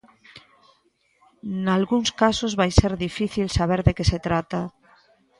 Nalgúns casos vai ser difícil saber de que se trata.